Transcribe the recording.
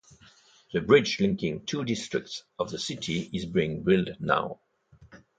The bridge linking two districts of the city is being built now.